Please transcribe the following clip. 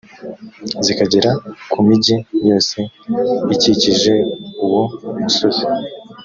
zikagera ku migi yose ikikije uwo musozi;